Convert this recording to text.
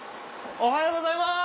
おはようございます！